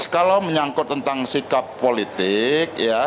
kalau menyangkut tentang sikap politik